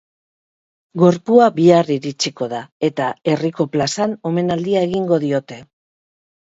Gorpua bihar iritsiko da, eta herriko plazan, omenaldia egingo diote.